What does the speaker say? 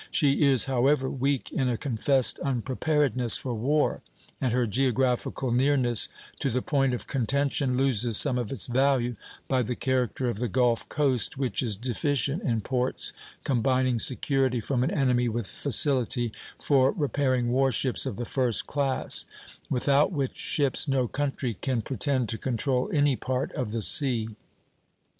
She is, however, weak in a confessed unpreparedness for war; and her geographical nearness to the point of contention loses some of its value by the character of the Gulf coast, which is deficient in ports combining security from an enemy with facility for repairing war ships of the first class, without which ships no country can pretend to control any part of the sea.